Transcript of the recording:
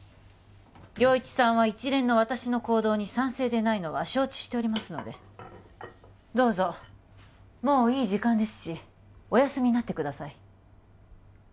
良一さんは一連の私の行動に賛成でないのは承知しておりますのでどうぞもういい時間ですしお休みになってください